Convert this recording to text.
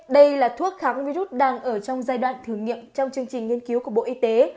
đây là thuốc kháng virus đang ở trong giai đoạn thử nghiệm trong chương trình nghiên cứu của bộ y tế